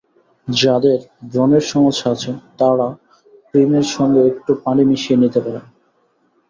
যাঁদের ব্রণের সমস্যা আছে, তাঁরা ক্রিমের সঙ্গে একটু পানি মিশিয়ে নিতে পারেন।